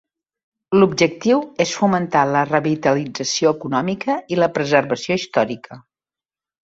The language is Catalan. L'objectiu és fomentar la revitalització econòmica i la preservació històrica.